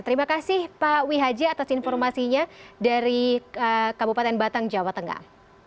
terima kasih pak wihaji atas informasinya dari kabupaten batang jawa tengah